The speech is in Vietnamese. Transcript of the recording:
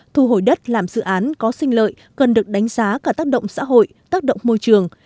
thu hồi đất làm dự án có sinh lợi cần được đánh giá cả tác động xã hội tác động môi trường